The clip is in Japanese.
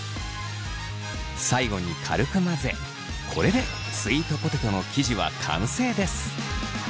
最後に軽く混ぜこれでスイートポテトの生地は完成です。